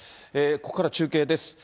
ここから中継です。